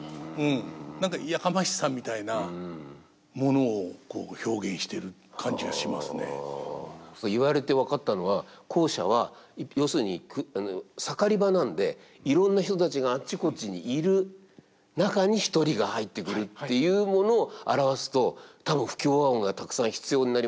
何かそういう逆に２つ目の方は何か本当に言われて分かったのは後者は要するに盛り場なんでいろんな人たちがあっちこっちにいる中に１人が入ってくるっていうものを表すと多分不協和音がたくさん必要になりますよね。